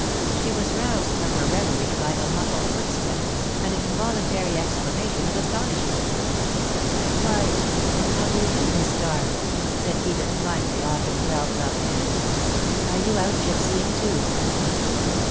She was roused from her reverie by a muffled footstep and an involuntary exclamation of astonishment. "Why, how do you do, Miss Starr?" said Edith, kindly, offering a well gloved hand. "Are you out gypsying too?"